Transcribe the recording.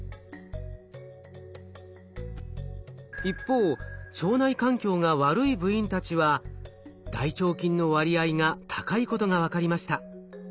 一方腸内環境が悪い部員たちは大腸菌の割合が高いことが分かりました。